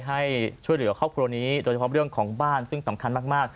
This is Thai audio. ให้ช่วยเหลือครอบครัวนี้โดยเฉพาะเรื่องของบ้านซึ่งสำคัญมาก